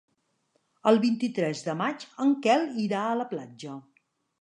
El vint-i-tres de maig en Quel irà a la platja.